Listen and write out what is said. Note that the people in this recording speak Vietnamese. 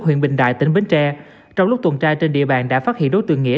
huyện bình đại tỉnh bến tre trong lúc tuần tra trên địa bàn đã phát hiện đối tượng nghĩa